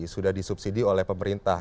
sudah disubsidi oleh pemerintah